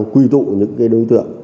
quy tụ những đối tượng